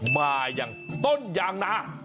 มาอย่างต้นยางนา